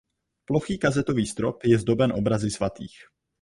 Plochý kazetový strop je zdoben obrazy svatých.